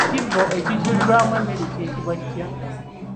Ekibbo ekijjulirwamu emmere kiyitibwa kitya?